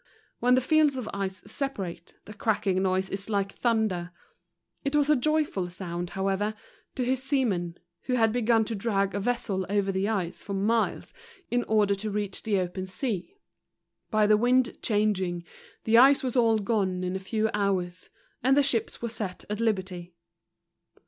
When the fields of ice separate the cracking noise is like thunder. It was a joyful sound, however, to his seamen, who had begun to drag a vessel over the ice for miles in order to reach the open sea. By the wind changing, the ice was all gone in a few' hours, and the ships were set at liberty.